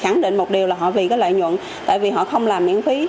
nhiều là họ vì cái lợi nhuận tại vì họ không làm miễn phí